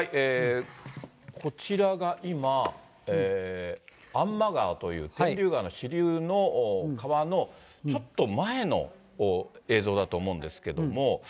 こちらが今、安間川という、てんりゅう川の支流の川のちょっと前の映像だと思うんですけども。